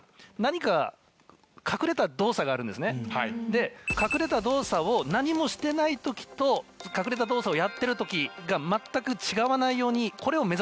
で隠れた動作を何もしてないときと隠れた動作をやってるときがまったく違わないようにこれを目指すんです理想は。